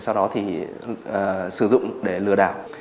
sau đó thì sử dụng để lừa đảo